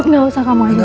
gak usah kamu aja